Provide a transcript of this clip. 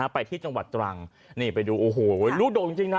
ไปที่จังหวัดตรังนี่ไปดูโอ้โหลูกโด่งจริงนะ